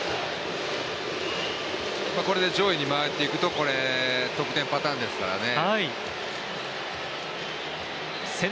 これで上位に回っていくとこれ、得点パターンですからね。